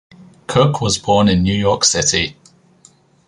Cook was born in New York City.